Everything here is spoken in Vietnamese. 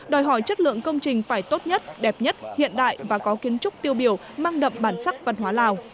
đòi hỏi chất lượng công trình phải tốt nhất đẹp nhất hiện đại và có kiến trúc tiêu biểu mang đậm bản sắc văn hóa lào